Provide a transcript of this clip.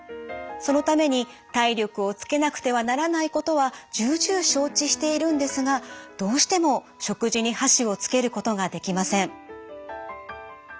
そのために体力をつけなくてはならないことは重々承知しているんですがどうしても食事に箸をつけることができません。